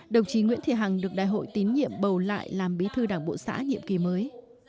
đồng chí nguyễn thị hằng được đại hội tín nhiệm bầu lại làm bí thư đảng bộ xã nhiệm kỳ mới